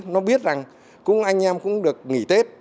nó biết rằng anh em cũng được nghỉ tết